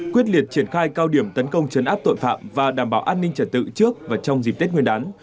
quyết liệt triển khai cao điểm tấn công chấn áp tội phạm và đảm bảo an ninh trật tự trước và trong dịp tết nguyên đán